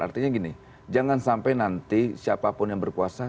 artinya gini jangan sampai nanti siapapun yang berkuasa